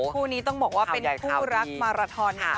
คู่นี้ต้องบอกว่าเป็นคู่รักมาราทอนนะคะ